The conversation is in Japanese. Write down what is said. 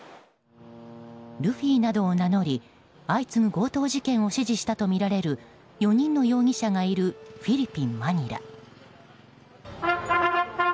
ルフィなどを名乗り相次ぐ強盗事件を指示したとみられる４人の容疑者がいるフィリピン・マニラ。